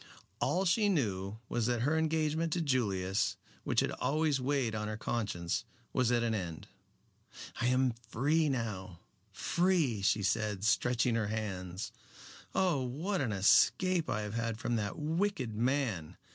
All she knew was that her engagement to Julius, which had always weighed on her conscience, was at an end. "I am free now free," she said, stretching her hands. "Oh, what an escape I have had from that wicked man.